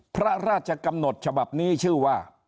พระราชกำหนดฉบับนี้ชื่อว่า